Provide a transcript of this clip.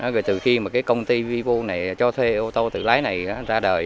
rồi từ khi mà cái công ty vivo này cho thuê ô tô tự lái này ra đời